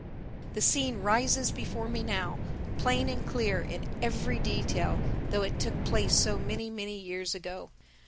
The scene rises before me now, plain and clear in every detail, though it took place so many, many years ago.